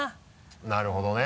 なるほどね。